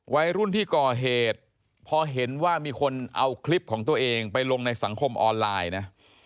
วัยรุ่นที่ก่อเหตุพอเห็นว่ามีคนเอาคลิปของตัวเองไปลงในสังคมออนไลน์นะ